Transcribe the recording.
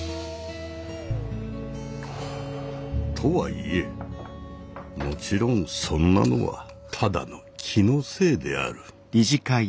とはいえもちろんそんなのはただの気のせいである。